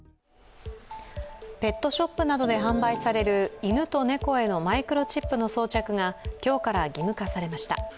ペットショップなどで販売される犬と猫へのマイクロチップの装着が今日から義務化されました。